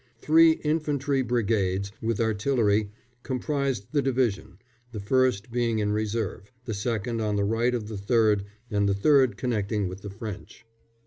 Three infantry brigades with artillery comprised the division, the first being in reserve, the second on the right of the third, and the third connecting with the French.